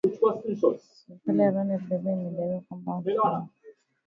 Serikali ya Rwanda vile vile imedai kwamba watu hao wawili